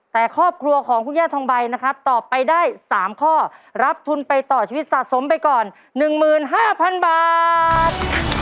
แต่ครอบครัวของคุณแยดทองใบนะครับตอบไปได้สามข้อรับทุนไปต่อชีวิตสะสมไปก่อนหนึ่งหมื่นห้าพันบาท